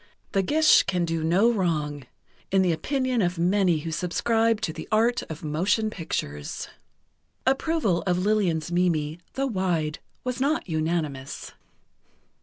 The Gish can do no wrong, in the opinion of many who subscribe to the art of motion pictures...." Approval of Lillian's Mimi, though wide, was not unanimous.